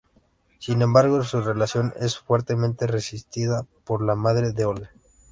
Sin embargo, su relación es fuertemente resistida por la madre de Olga.